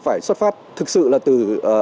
phải xuất phát thực sự là từ